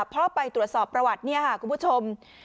เพราะไปตรวจสอบประวัติเนี่ยค่ะคุณผู้ชม